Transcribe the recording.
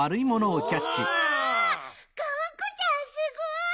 がんこちゃんすごい！